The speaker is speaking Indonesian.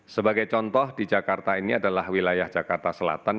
sebagai contoh di jakarta ini adalah wilayah jakarta selatan